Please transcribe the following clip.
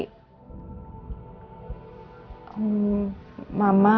lalu mama menikah